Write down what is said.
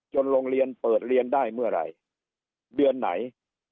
โรงเรียนเปิดเรียนได้เมื่อไหร่เดือนไหน